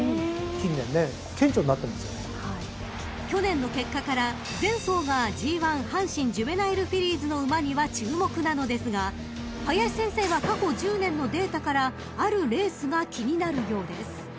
［去年の結果から前走がＧⅠ阪神ジュベナイルフィリーズの馬には注目なのですが林先生は過去１０年のデータからあるレースが気になるようです］